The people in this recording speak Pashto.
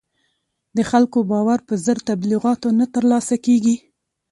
د خلکو باور په زر تبلیغاتو نه تر لاسه کېږي.